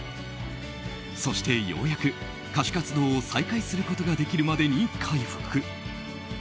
そして、ようやく歌手活動を再開することができるまでに回復。